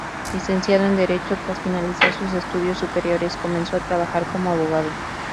Licenciado en Derecho, tras finalizar sus estudios superiores comenzó a trabajar como abogado.